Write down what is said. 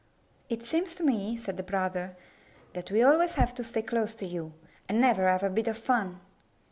'' "It seems to me," said the brother, "that we always have to stay close to you. I never have a bit of fun!"